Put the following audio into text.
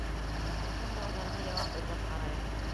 Ошо һорауҙарға яуап эҙләп ҡарайыҡ.